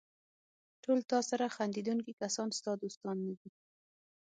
ټول تاسره خندېدونکي کسان ستا دوستان نه دي.